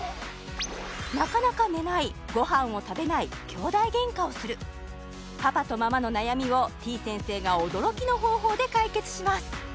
なかなか寝ないご飯を食べない兄弟ゲンカをするパパとママの悩みをてぃ先生が驚きの方法で解決します